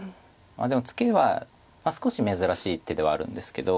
でもツケは少し珍しい手ではあるんですけど。